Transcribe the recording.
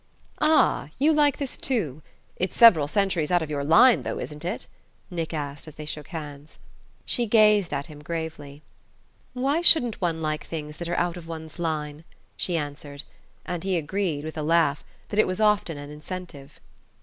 "Ah you like this too? It's several centuries out of your line, though, isn't it!" Nick asked as they shook hands. She gazed at him gravely. "Why shouldn't one like things that are out of one's line?" she answered; and he agreed, with a laugh, that it was often an incentive.